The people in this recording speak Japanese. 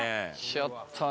ちょっとね。